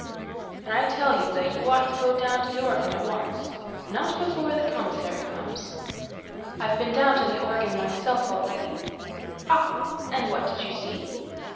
"And I tell you that you ought to go down to the organ at once." "Not before the commissary comes." "I've been down to the organ myself already." "Ah! And what did you see?"